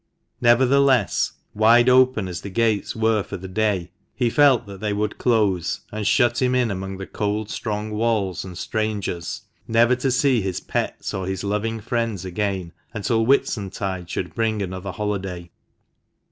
Nevertheless, wide open as the gates were for the day, he felt that they would close, and shut him in among the cold strong walls and strangers, never to see his pets or his loving friends again until Whitsuntide should bring another holiday.